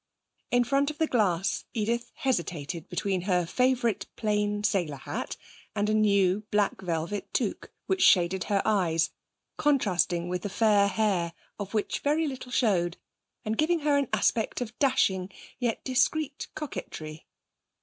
In front of the glass Edith hesitated between her favourite plain sailor hat and a new black velvet toque, which shaded her eyes, contrasting with the fair hair of which very little showed, and giving her an aspect of dashing yet discreet coquetry.